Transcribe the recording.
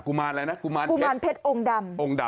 กุมารเพชรองดำ